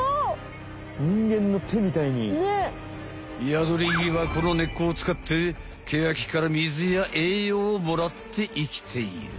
ヤドリギはこの根っこをつかってケヤキから水や栄養をもらって生きている。